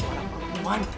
ada suara perempuan